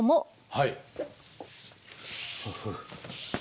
はい。